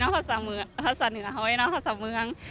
ภาษาเหนือภาษาเหนือเฮ้ยเนอะภาษาเมือง